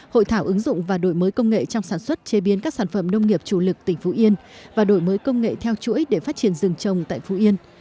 hội thảo ứng dụng và đổi mới công nghệ trong sản xuất chế biến các sản phẩm nông nghiệp chủ lực tỉnh phú yên và đổi mới công nghệ theo chuỗi để phát triển rừng trồng tại phú yên